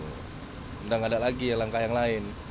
gak ada lagi langkah yang lain